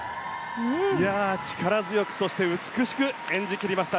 力強くそして美しく演じ切りました。